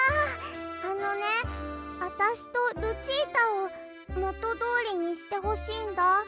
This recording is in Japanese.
あのねあたしとルチータをもとどおりにしてほしいんだ。